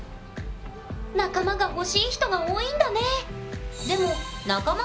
仲間が欲しい人が多いんだね！